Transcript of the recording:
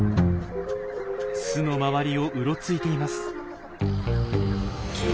巣の周りをうろついています。